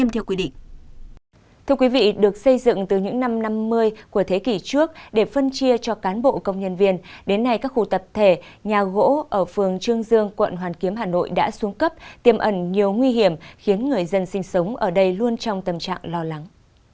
thưa quý vị được xây dựng từ những năm năm mươi của thế kỷ trước để phân chia cho cán bộ công nhân viên đến nay các khu tập thể nhà gỗ ở phường trương dương quận hoàn kiếm hà nội đã xuống cấp tiềm ẩn nhiều nguy hiểm khiến người dân sinh sống ở đây luôn trong tâm trạng lo lắng